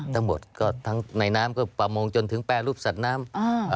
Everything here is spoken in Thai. ทั้งหมดก็ทั้งในน้ำก็ประมงจนถึงแปรรูปสัตว์น้ำ